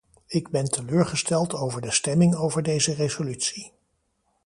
Ik ben teleurgesteld over de stemming over deze resolutie.